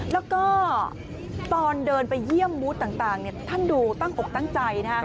แล้วก็ตอนเดินไปเยี่ยมบูธต่างท่านดูตั้งอกตั้งใจนะครับ